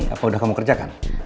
apa udah kamu kerjakan